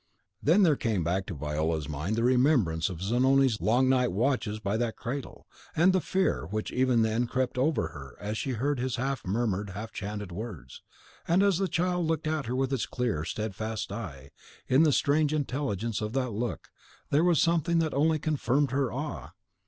Then there came back to Viola's mind the remembrance of Zanoni's night long watches by that cradle, and the fear which even then had crept over her as she heard his murmured half chanted words. And as the child looked at her with its clear, steadfast eye, in the strange intelligence of that look there was something that only confirmed her awe.